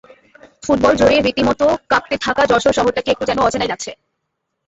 Football জ্বরে রীতিমতো কাঁপতে থাকা যশোর শহরটাকে একটু যেন অচেনাই লাগছে।